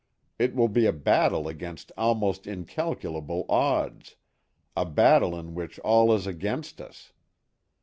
It will be a battle against almost incalculable odds, a battle in which all is against us.